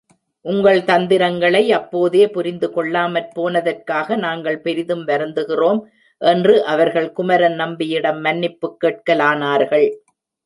உங்கள் தந்திரங்களை அப்போதே புரிந்துகொள்ளாமற் போனதற்காக நாங்கள் பெரிதும் வருந்துகிறோம் என்று அவர்கள் குமரன் நம்பியிடம் மன்னிப்புக் கேட்கலானார்கள்.